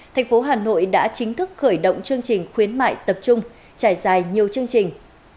thành phố hà nội đã chính thức khởi động chương trình khuyến mại tập trung trải dài nhiều chương trình